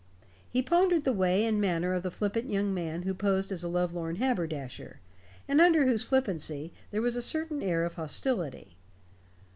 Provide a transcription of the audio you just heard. He pondered the way and manner of the flippant young man who posed as a lovelorn haberdasher, and under whose flippancy there was certainly an air of hostility.